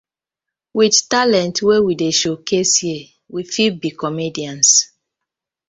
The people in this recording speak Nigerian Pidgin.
With talent wey we dey show case here we fit be comedians.